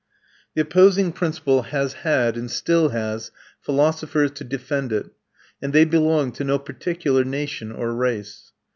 The opposing principle has had, and still has, philosophers to defend it, and they belong to no particular nation or race.